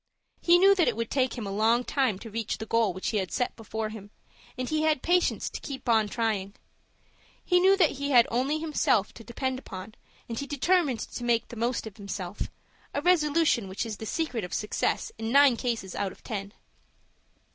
He knew that it would take him a long time to reach the goal which he had set before him, and he had patience to keep on trying. He knew that he had only himself to depend upon, and he determined to make the most of himself,—a resolution which is the secret of success in nine cases out of ten.